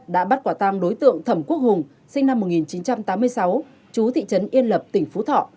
đã bắt quả tang đối tượng thẩm quốc hùng sinh năm một nghìn chín trăm tám mươi sáu chú thị trấn yên lập tỉnh phú thọ